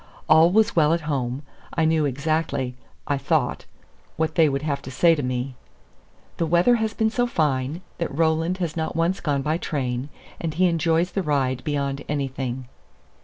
All was well at home. I knew exactly (I thought) what they would have to say to me: "The weather has been so fine, that Roland has not once gone by train, and he enjoys the ride beyond anything."